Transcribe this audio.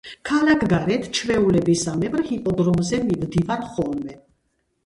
ქალაქგარეთ, ჩვეულებისამებრ ჰიპოდრომზე მივდივარ ხოლმე